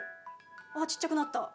あ小っちゃくなった。